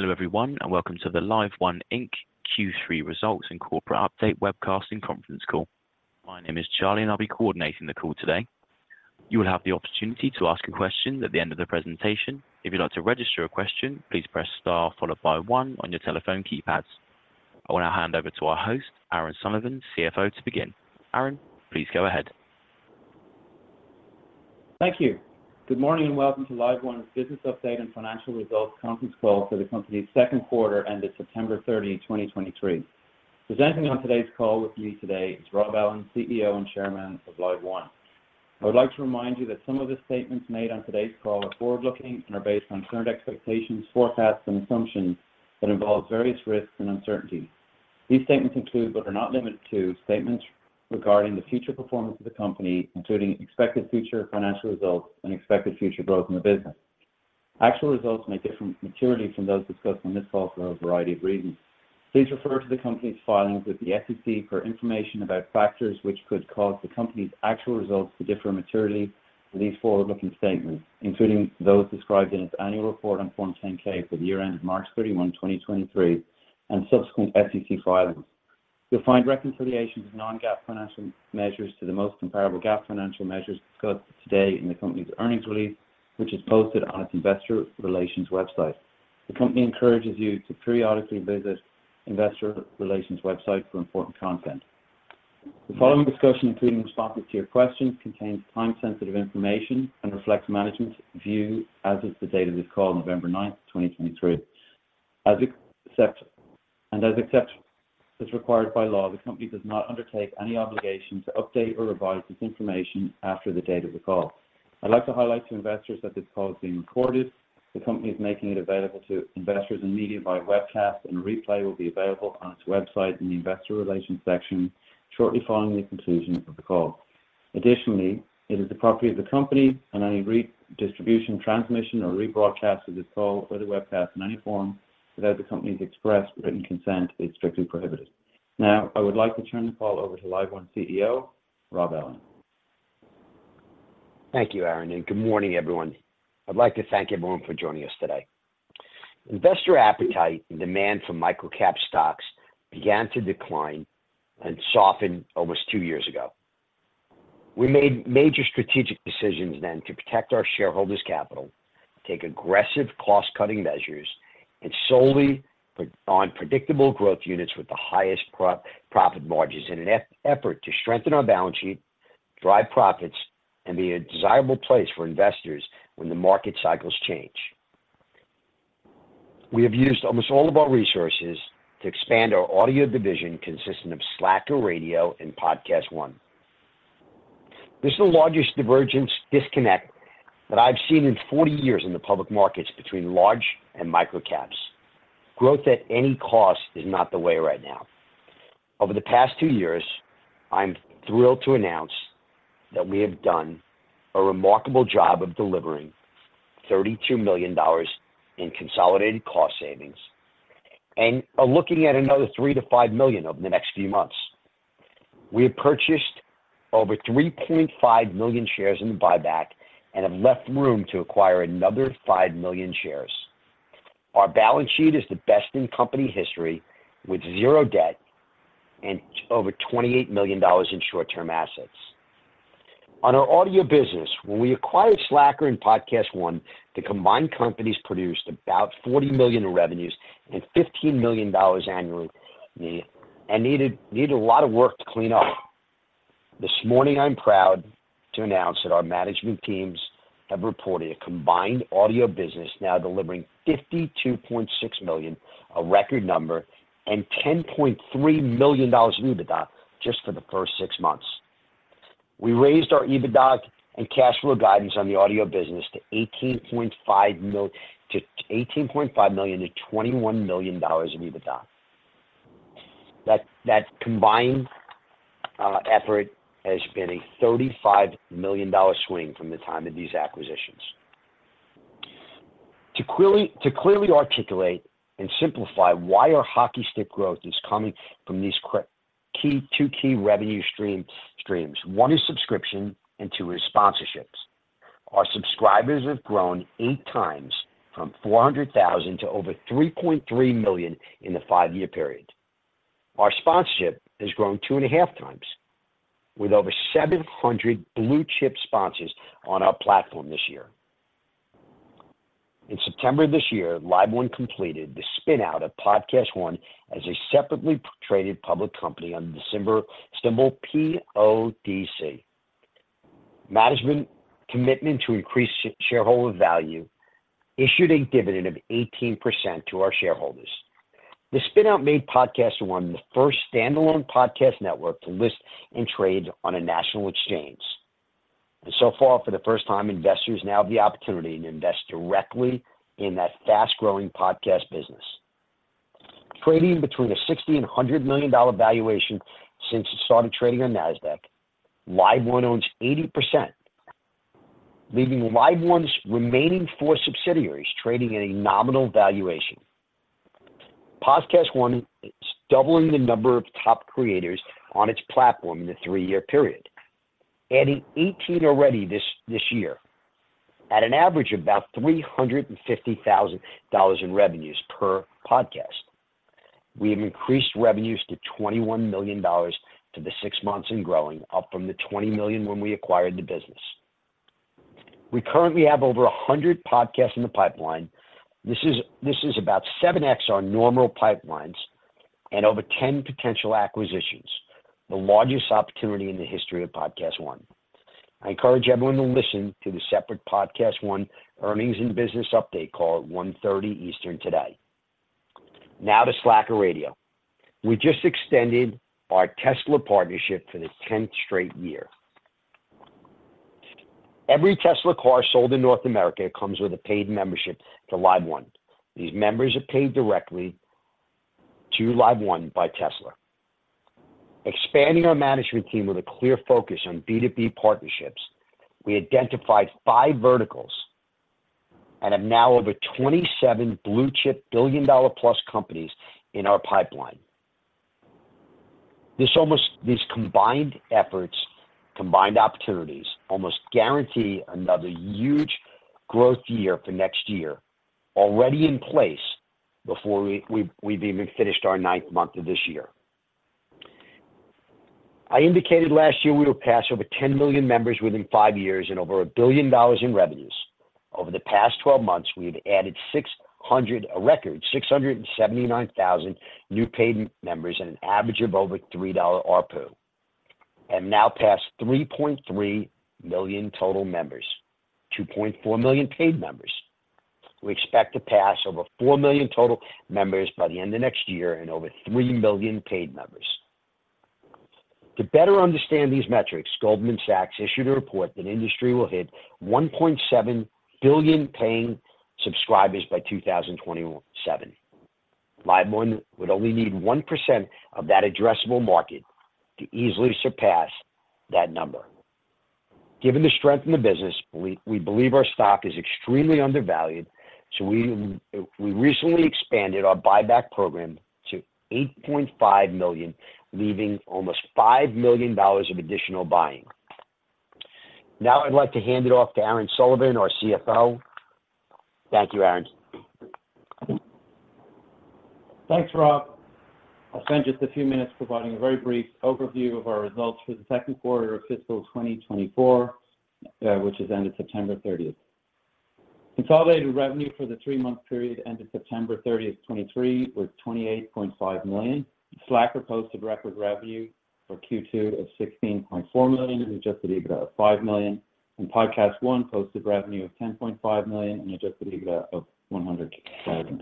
Hello everyone, and welcome to the LiveOne, Inc. Q3 Results and Corporate Update Webcast and conference call. My name is Charlie, and I'll be coordinating the call today. You will have the opportunity to ask a question at the end of the presentation. If you'd like to register a question, please press star followed by one on your telephone keypads. I want to hand over to our host, Aaron Sullivan, CFO, to begin. Aaron, please go ahead. Thank you. Good morning, and welcome to LiveOne's Business Update and Financial Results conference call for the company's second quarter ended September 30, 2023. Presenting on today's call with me today is Rob Ellin, CEO and Chairman of LiveOne. I would like to remind you that some of the statements made on today's call are forward-looking and are based on current expectations, forecasts, and assumptions that involve various risks and uncertainties. These statements include, but are not limited to, statements regarding the future performance of the company, including expected future financial results and expected future growth in the business. Actual results may differ materially from those discussed on this call for a variety of reasons. Please refer to the company's filings with the SEC for information about factors which could cause the company's actual results to differ materially from these forward-looking statements, including those described in its annual report on Form 10-K for the year end March 31, 2023, and subsequent SEC filings. You'll find reconciliations of non-GAAP financial measures to the most comparable GAAP financial measures discussed today in the company's earnings release, which is posted on its investor relations website. The company encourages you to periodically visit investor relations website for important content. The following discussion, including responses to your questions, contains time-sensitive information and reflects management's view as of the date of this call, November 9, 2023. Except as required by law, the company does not undertake any obligation to update or revise this information after the date of the call. I'd like to highlight to investors that this call is being recorded. The company is making it available to investors and media via webcast, and a replay will be available on its website in the investor relations section shortly following the conclusion of the call. Additionally, it is the property of the company, and any redistribution, transmission, or rebroadcast of this call or the webcast in any form without the company's express written consent is strictly prohibited. Now, I would like to turn the call over to LiveOne CEO, Rob Ellin. Thank you, Aaron, and good morning, everyone. I'd like to thank everyone for joining us today. Investor appetite and demand for micro-cap stocks began to decline and soften almost two years ago. We made major strategic decisions then to protect our shareholders' capital, take aggressive cost-cutting measures, and solely put on predictable growth units with the highest profit margins in an effort to strengthen our balance sheet, drive profits, and be a desirable place for investors when the market cycles change. We have used almost all of our resources to expand our Audio Division, consisting of Slacker Radio and PodcastOne. This is the largest divergence disconnect that I've seen in forty years in the public markets between large and micro caps. Growth at any cost is not the way right now. Over the past two years, I'm thrilled to announce that we have done a remarkable job of delivering $32 million in consolidated cost savings and are looking at another $3 million-$5 million over the next few months. We have purchased over 3.5 million shares in the buyback and have left room to acquire another 5 million shares. Our balance sheet is the best in company history, with zero debt and over $28 million in short-term assets. On our audio business, when we acquired Slacker and PodcastOne, the combined companies produced about $40 million in revenues and $15 million annually, and needed a lot of work to clean up. This morning, I'm proud to announce that our management teams have reported a combined Audio Business now delivering $52.6 million, a record number, and $10.3 million in EBITDA just for the first six months. We raised our EBITDA and cash flow guidance on the Audio Business to $18.5 million-$21 million in EBITDA. That, that combined effort has been a $35 million swing from the time of these acquisitions. To clearly, to clearly articulate and simplify why our hockey stick growth is coming from these key two key revenue streams. One is subscription and two is sponsorships. Our subscribers have grown eight times, from 400,000 to over 3.3 million in the five-year period. Our sponsorship has grown 2.5x, with over 700 blue-chip sponsors on our platform this year. In September this year, LiveOne completed the spin-out of PodcastOne as a separately traded public company under the symbol PODC. Management's commitment to increase shareholder value issued a dividend of 18% to our shareholders. The spin-out made PodcastOne the first standalone podcast network to list and trade on a national exchange. So far, for the first time, investors now have the opportunity to invest directly in that fast-growing podcast business. Trading between a $60 million-$100 million valuation since it started trading on Nasdaq, LiveOne owns 80%, leaving LiveOne's remaining four subsidiaries trading at a nominal valuation. PodcastOne is doubling the number of top creators on its platform in a three-year period, adding 18 already this year, at an average of about $350,000 in revenues per podcast. We have increased revenues to $21 million for the six months and growing, up from the $20 million when we acquired the business. We currently have over 100 podcasts in the pipeline. This is about 7x our normal pipelines and over 10 potential acquisitions, the largest opportunity in the history of PodcastOne. I encourage everyone to listen to the separate PodcastOne earnings and business update call at 1:30 P.M. Eastern today. Now to Slacker Radio. We just extended our Tesla partnership for the 10th straight year. Every Tesla car sold in North America comes with a paid membership to LiveOne. These members are paid directly to LiveOne by Tesla. Expanding our management team with a clear focus on B2B partnerships, we identified five verticals and have now over 27 blue-chip billion-dollar-plus companies in our pipeline. These combined efforts, combined opportunities, almost guarantee another huge growth year for next year, already in place before we've even finished our ninth month of this year. I indicated last year we would pass over 10 million members within five years and over $1 billion in revenues. Over the past 12 months, we've added a record 679,000 new paid members and an average of over $3 ARPU, and now passed 3.3 million total members, 2.4 million paid members. We expect to pass over four million total members by the end of next year and over three million paid members. To better understand these metrics, Goldman Sachs issued a report that industry will hit 1.7 billion paying subscribers by 2027. LiveOne would only need 1% of that addressable market to easily surpass that number. Given the strength in the business, we, we believe our stock is extremely undervalued, so we, we recently expanded our buyback program to $8.5 million, leaving almost $5 million of additional buying. Now I'd like to hand it off to Aaron Sullivan, our CFO. Thank you, Aaron. Thanks, Rob. I'll spend just a few minutes providing a very brief overview of our results for the second quarter of fiscal 2024, which has ended September 30. Consolidated revenue for the three-month period ended September 30, 2023, was $28.5 million. Slacker posted record revenue for Q2 of $16.4 million, Adjusted EBITDA of $5 million, and PodcastOne posted revenue of $10.5 million and Adjusted EBITDA of $100,000.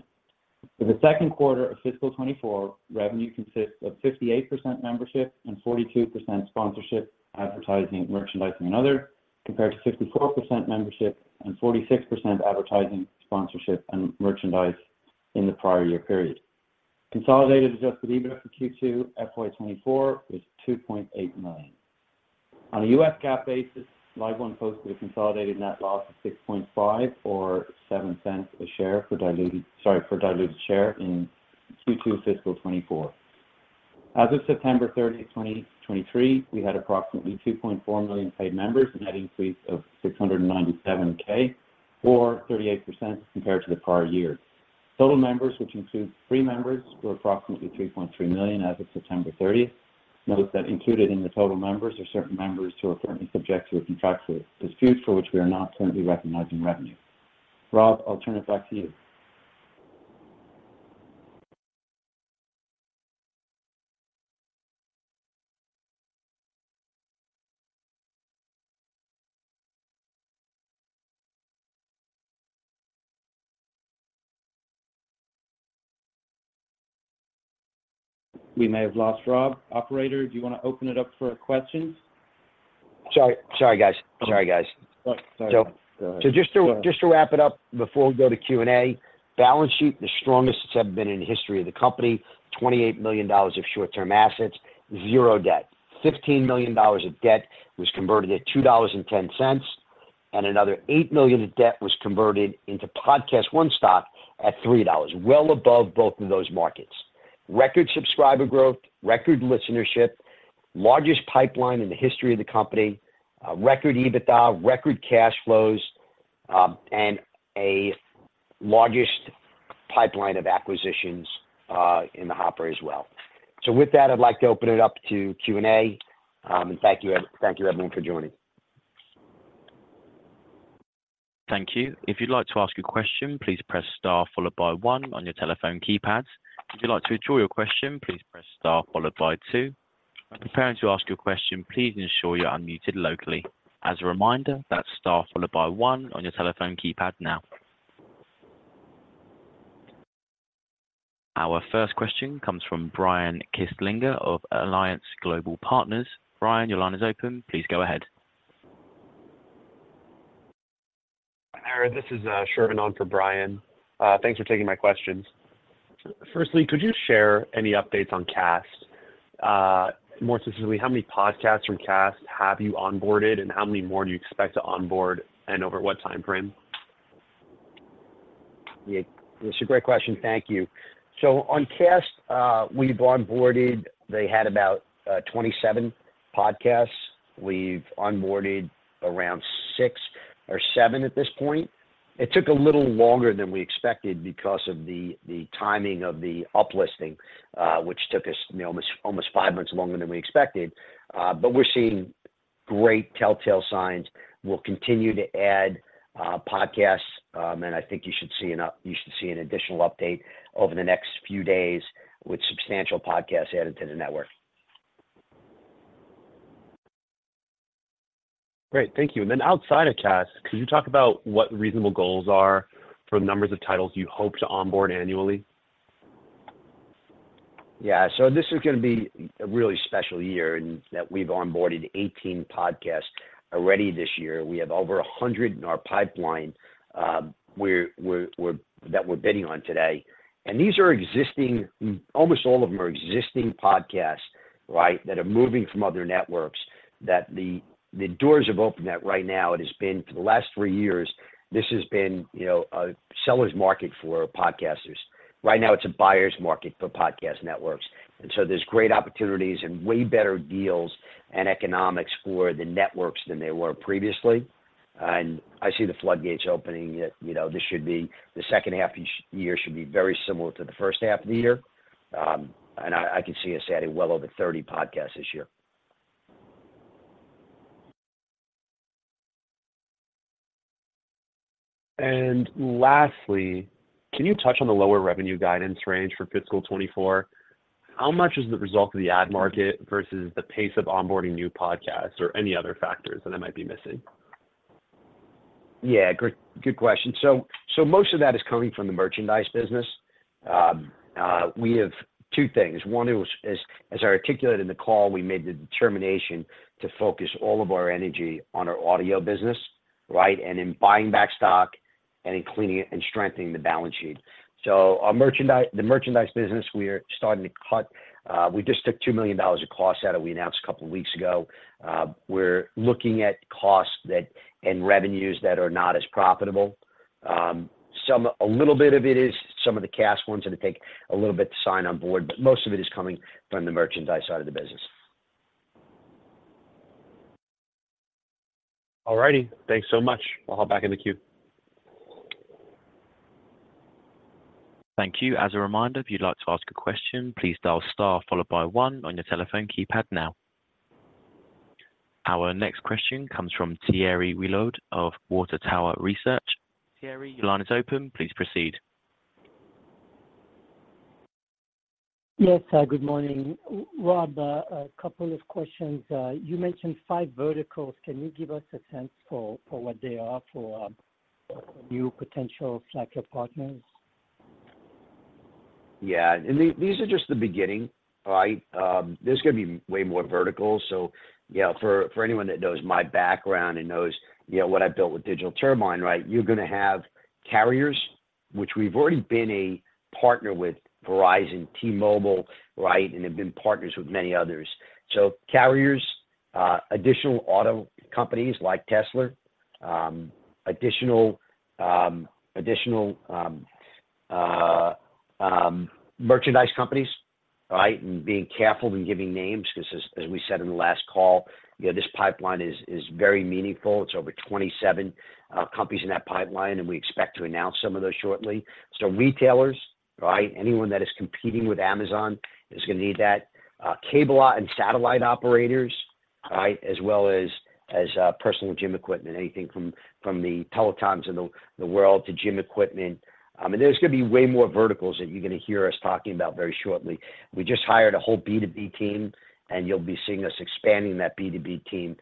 For the second quarter of fiscal 2024, revenue consists of 58% membership and 42% sponsorship, advertising, merchandising, and other, compared to 54% membership and 46% advertising, sponsorship, and merchandise in the prior year period. Consolidated Adjusted EBITDA for Q2 FY 2024 was $2.8 million. On a U.S. GAAP basis, LiveOne posted a consolidated net loss of $0.065-$0.07 per diluted share, sorry, per diluted share in Q2 fiscal 2024. As of September 30, 2023, we had approximately 2.4 million paid members, a net increase of 697K or 38% compared to the prior year. Total members, which includes free members, were approximately 3.3 million as of September 30. Note that included in the total members are certain members who are currently subject to a contractual dispute for which we are not currently recognizing revenue. Rob, I'll turn it back to you. We may have lost Rob. Operator, do you want to open it up for questions? Sorry, sorry, guys. Sorry, guys. Oh, sorry. So just to, just to wrap it up before we go to Q&A, balance sheet, the strongest it's ever been in the history of the company, $28 million of short-term assets, 0 debt. $15 million of debt was converted at $2.10, and another $8 million of debt was converted into PodcastOne stock at $3, well above both of those markets. Record subscriber growth, record listenership, largest pipeline in the history of the company, record EBITDA, record cash flows, and a largest pipeline of acquisitions in the hopper as well. So with that, I'd like to open it up to Q&A. Thank you, everyone, for joining. Thank you. If you'd like to ask a question, please press star followed by one on your telephone keypad. If you'd like to withdraw your question, please press star followed by two. When preparing to ask your question, please ensure you're unmuted locally. As a reminder, that's star followed by one on your telephone keypad now. Our first question comes from Brian Kinstlinger of Alliance Global Partners. Brian, your line is open. Please go ahead. Hi, this is Shervin on for Brian. Thanks for taking my questions. Firstly, could you share any updates on Kast? More specifically, how many podcasts from Kast have you onboarded, and how many more do you expect to onboard, and over what time frame? Yeah, that's a great question. Thank you. So on Kast, we've onboarded... They had about 27 podcasts. We've onboarded around six or seven at this point. It took a little longer than we expected because of the timing of the uplisting, which took us, you know, almost five months longer than we expected, but we're seeing great telltale signs. We'll continue to add podcasts, and I think you should see an up- you should see an additional update over the next few days with substantial podcasts added to the network. Great, thank you. And then outside of Kast, could you talk about what reasonable goals are for the numbers of titles you hope to onboard annually? Yeah. So this is gonna be a really special year in that we've onboarded 18 podcasts already this year. We have over 100 in our pipeline, that we're bidding on today, and these are existing—almost all of them are existing podcasts, right, that are moving from other networks, that the doors have opened that right now it has been for the last three years, this has been, you know, a seller's market for podcasters. Right now, it's a buyer's market for podcast networks, and so there's great opportunities and way better deals and economics for the networks than they were previously, and I see the floodgates opening, yet, you know, this should be the second half each year should be very similar to the first half of the year. And I could see us adding well over 30 podcasts this year. Lastly, can you touch on the lower revenue guidance range for fiscal 2024? How much is the result of the ad market versus the pace of onboarding new podcasts or any other factors that I might be missing? Yeah, good, good question. So, most of that is coming from the merchandise business. We have two things. One is, as I articulated in the call, we made the determination to focus all of our energy on our Audio Business, right? And in buying back stock and in cleaning it and strengthening the balance sheet. So our merchandise—the merchandise business, we are starting to cut. We just took $2 million of costs out of we announced a couple of weeks ago. We're looking at costs that, and revenues that are not as profitable. Some, a little bit of it is some of the Kast ones are to take a little bit to sign on board, but most of it is coming from the merchandise side of the business. All righty. Thanks so much. I'll hop back in the queue. Thank you. As a reminder, if you'd like to ask a question, please dial star followed by one on your telephone keypad now. Our next question comes from Thierry Wuilloud of Water Tower Research. Thierry, your line is open. Please proceed. Yes, good morning. Rob, a couple of questions. You mentioned five verticals. Can you give us a sense for what they are for new potential flagship partners? Yeah, and these are just the beginning, right? There's gonna be way more verticals. So, yeah, for anyone that knows my background and knows, you know, what I've built with Digital Turbine, right, you're gonna have carriers, which we've already been a partner with Verizon, T-Mobile, right, and have been partners with many others. So carriers, additional auto companies like Tesla, additional merchandise companies, right? And being careful when giving names, 'cause as we said in the last call, you know, this pipeline is very meaningful. It's over 27 companies in that pipeline, and we expect to announce some of those shortly. So retailers, right, anyone that is competing with Amazon is gonna need that, cable ops and satellite operators, right, as well as, personal gym equipment, anything from the telecoms in the world to gym equipment. And there's gonna be way more verticals that you're gonna hear us talking about very shortly. We just hired a whole B2B team, and you'll be seeing us expanding that B2B team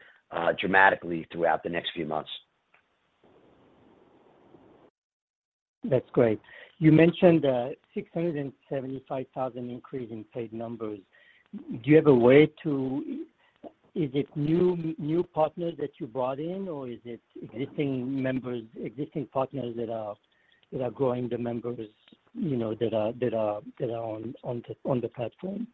dramatically throughout the next few months. That's great. You mentioned a 675,000 increase in paid numbers. Do you have a way to... Is it new, new partners that you brought in, or is it existing members, existing partners that are growing the members, you know, that are on the platform?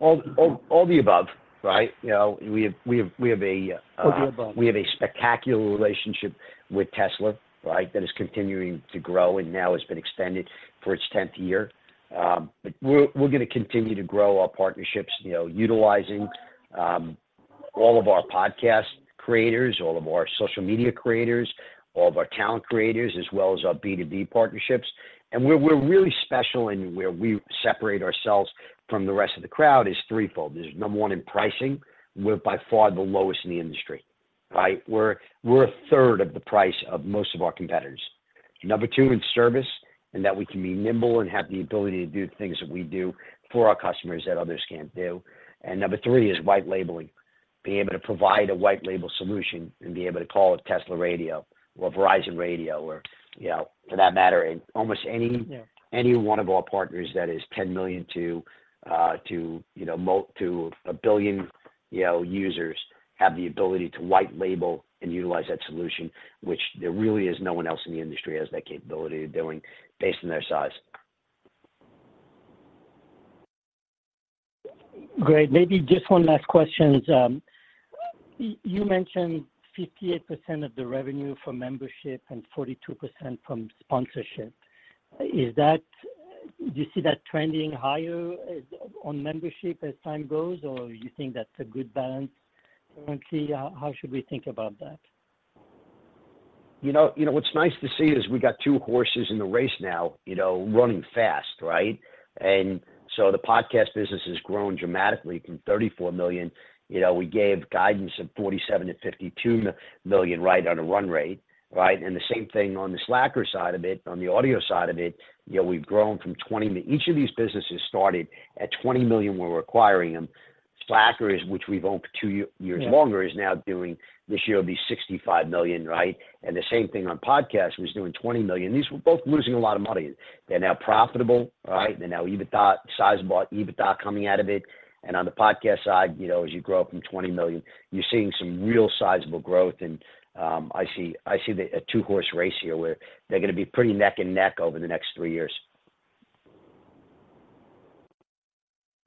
All the above, right? You know, we have a All the above.... We have a spectacular relationship with Tesla, right? That is continuing to grow and now has been extended for its tenth year. But we're gonna continue to grow our partnerships, you know, utilizing all of our podcast creators, all of our social media creators, all of our talent creators, as well as our B2B partnerships. And we're really special in where we separate ourselves from the rest of the crowd is threefold. There's number one, in pricing, we're by far the lowest in the industry, right? We're a third of the price of most of our competitors. Number two, in service, and that we can be nimble and have the ability to do the things that we do for our customers that others can't do. And number three is white labeling. Being able to provide a white label solution and being able to call it Tesla Radio or Verizon Radio or, you know, for that matter, in almost any- Yeah... any one of our partners that is 10 million-1 billion, you know, users... have the ability to white label and utilize that solution, which there really is no one else in the industry has that capability of doing based on their size. Great. Maybe just one last question. You mentioned 58% of the revenue from membership and 42% from sponsorship. Is that— Do you see that trending higher as on membership as time goes, or you think that's a good balance currently? How should we think about that? You know, you know what's nice to see is we got two horses in the race now, you know, running fast, right? And so the podcast business has grown dramatically from $34 million. You know, we gave guidance of $47 million-$52 million, right, on a run rate, right? And the same thing on the Slacker side of it, on the audio side of it, you know, we've grown from $20 million... Each of these businesses started at $20 million when we're acquiring them. Slacker, is which we've owned for two years longer, is now doing, this year will be $65 million, right? And the same thing on podcast, was doing $20 million. These were both losing a lot of money. They're now profitable, right? They're now EBITDA, sizable EBITDA coming out of it. On the podcast side, you know, as you grow up from $20 million, you're seeing some real sizable growth, and I see a two-horse race here, where they're gonna be pretty neck and neck over the next three years.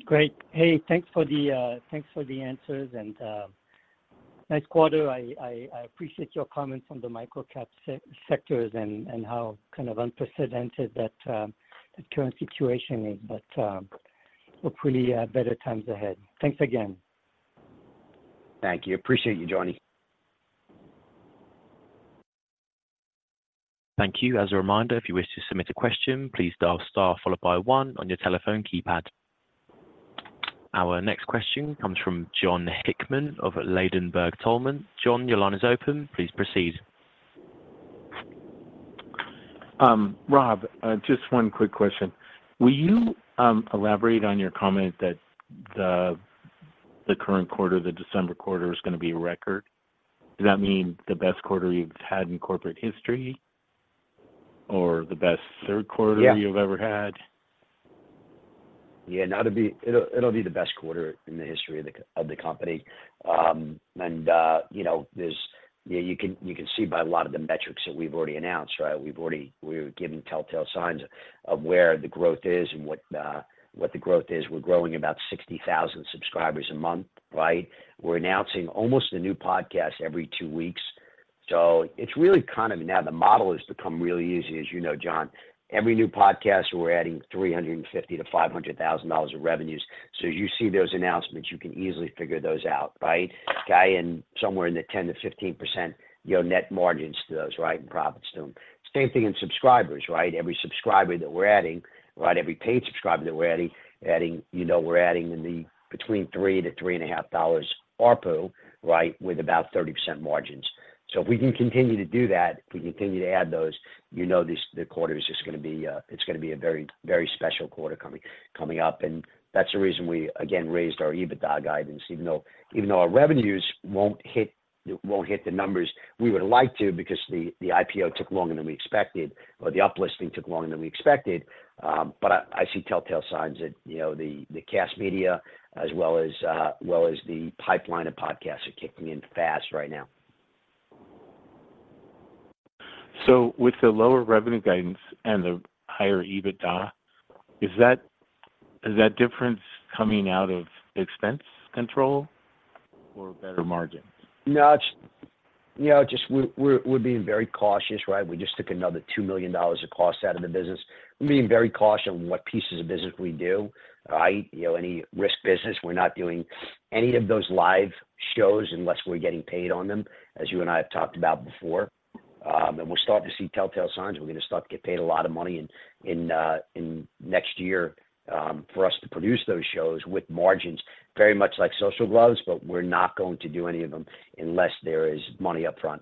Great. Hey, thanks for the answers, and nice quarter. I appreciate your comments on the micro-cap sectors and how kind of unprecedented that the current situation is, but hopefully better times ahead. Thanks again. Thank you. Appreciate you, Johnny. Thank you. As a reminder, if you wish to submit a question, please dial star followed by one on your telephone keypad. Our next question comes from Jon Hickman of Ladenburg Thalmann. Jon, your line is open. Please proceed. Rob, just one quick question. Will you elaborate on your comment that the current quarter, the December quarter, is gonna be a record? Does that mean the best quarter you've had in corporate history or the best third quarter- Yeah -you've ever had? Yeah, no, it'll be the best quarter in the history of the company. And you know, there's you know, you can see by a lot of the metrics that we've already announced, right? We're giving telltale signs of where the growth is and what the growth is. We're growing about 60,000 subscribers a month, right? We're announcing almost a new podcast every two weeks. So it's really kind of now the model has become really easy, as you know, Jon. Every new podcast, we're adding $350,000-$500,000 of revenues. So as you see those announcements, you can easily figure those out, right? Okay, and somewhere in the 10%-15%, your net margins to those, right, and profits to them. Same thing in subscribers, right? Every subscriber that we're adding, right, every paid subscriber that we're adding, you know, we're adding in the between $3-$3.5 ARPU, right, with about 30% margins. So if we can continue to do that, if we continue to add those, you know, this, the quarter is just gonna be, it's gonna be a very, very special quarter coming up. And that's the reason we again raised our EBITDA guidance, even though our revenues won't hit the numbers we would like to because the IPO took longer than we expected, or the uplisting took longer than we expected. But I see telltale signs that, you know, the Kast Media as well as the pipeline of podcasts are kicking in fast right now. With the lower revenue guidance and the higher EBITDA, is that difference coming out of expense control or better margins? No, you know, just we're being very cautious, right? We just took another $2 million of cost out of the business. We're being very cautious on what pieces of business we do, right? You know, any risk business, we're not doing any of those live shows unless we're getting paid on them, as you and I have talked about before. And we're starting to see telltale signs. We're gonna start to get paid a lot of money in next year for us to produce those shows with margins very much like Social Gloves, but we're not going to do any of them unless there is money upfront.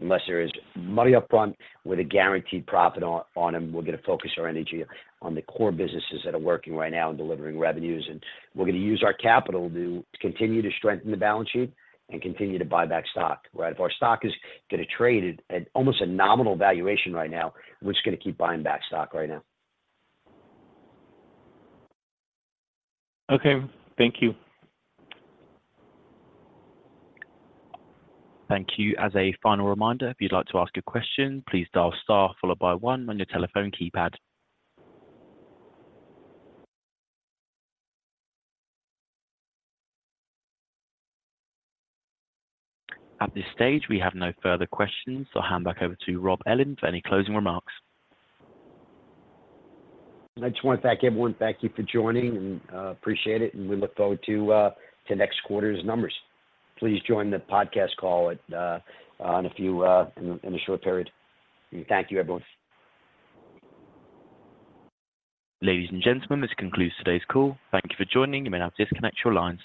Unless there is money upfront with a guaranteed profit on them, we're gonna focus our energy on the core businesses that are working right now and delivering revenues. And we're gonna use our capital to continue to strengthen the balance sheet and continue to buy back stock, right? If our stock is gonna trade at almost a nominal valuation right now, we're just gonna keep buying back stock right now. Okay, thank you. Thank you. As a final reminder, if you'd like to ask a question, please dial star followed by one on your telephone keypad. At this stage, we have no further questions, so I'll hand back over to Rob Ellin for any closing remarks. I just wanna thank everyone. Thank you for joining, and appreciate it, and we look forward to next quarter's numbers. Please join the podcast call in a short period. Thank you, everyone. Ladies and gentlemen, this concludes today's call. Thank you for joining. You may now disconnect your lines.